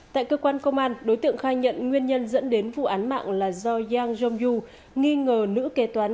tại cơ quan công an đối tượng khai nhận nguyên nhân dẫn đến vụ án mạng là do yang jong u nghi ngờ nữ kế toán